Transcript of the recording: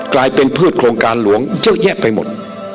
กลายเป็นพืชโครงการหลวงเยอะแยะไปหมด